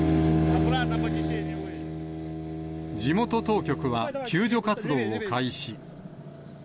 地元当局は、救助活動を開始。